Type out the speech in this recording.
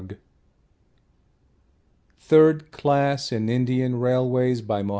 THIRD CLASS IN INDIAN RAILWAYS BY M. K.